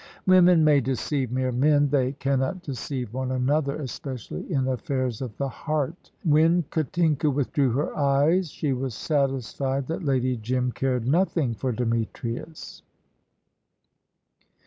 Women may deceive mere men; they cannot deceive one another, especially in affairs of the heart. When Katinka withdrew her eyes she was satisfied that Lady Jim cared nothing for Demetrius.